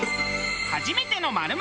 初めての○○